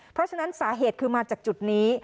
เพราะฉะนั้นสาเหตุคือมาจากจุดนี้